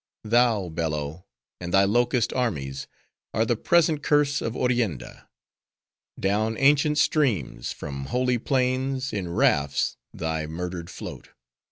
— thou, Bello, and thy locust armies, are the present curse of Orienda. Down ancient streams, from holy plains, in rafts thy murdered float!